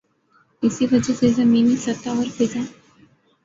اسی وجہ سے زمینی سطح اور فضا